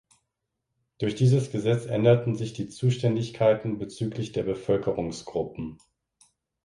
Durch dieses Gesetz änderten sich die Zuständigkeiten bezüglich der Bevölkerungsgruppen.